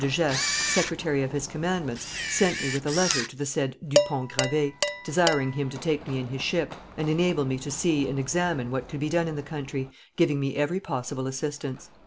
de Gesvres, secretary of his commandments, sent me with a letter to the said Du Pont Gravé, desiring him to take me in his ship and enable me to see and examine what could be done in the country, giving me every possible assistance."